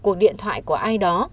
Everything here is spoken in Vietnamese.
cuộc điện thoại của ai đó